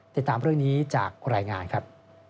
ติดตามเรื่องนี้จากรายงานครับ